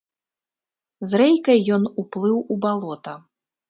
З рэйкай ён уплыў у балота.